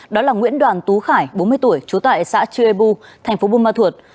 đó là nguyễn đoàn tú khải bốn mươi tuổi chú tại xã chuebu tp bunma thuật